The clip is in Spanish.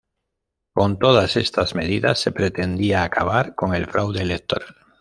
Con todas estas medidas se pretendía acabar con el fraude electoral.